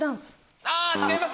違います！